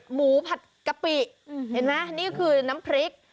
ผัดกะปิเห็นไหมนี่คือน้ำพริก